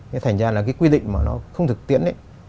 thế thành ra là cái quy định mà nó không thực tiễn ấy